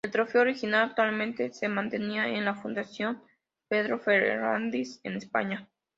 El trofeo original actualmente se mantiene en la Fundación Pedro Ferrándiz en España.